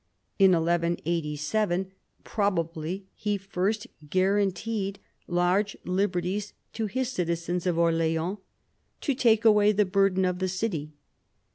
In 1187, probably, he first guaranteed large liberties to his citizens of Orleans " to take away the burden of the city."